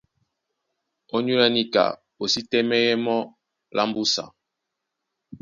Ónyólá níka o sí tɛ́mɛ́yɛ́ mɔ́ lá mbúsa.